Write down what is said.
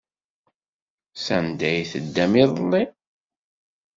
Sanda ay teddam iḍelli?